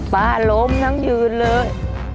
ล้มทั้งยืนเลย